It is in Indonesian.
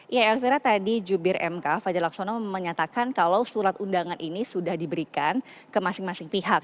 ya elvira tadi jubir mk fajar laksono menyatakan kalau surat undangan ini sudah diberikan ke masing masing pihak